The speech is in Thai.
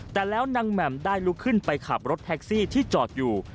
แต่แล้วนางแหม่มได้ลุกขึ้นไปขับรถแท็กซี่ที่จอดอยู่